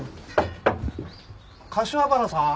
柏原さん。